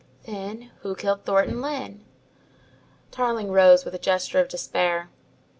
"Then, who killed Thornton Lyne?" Tarling rose with a gesture of despair.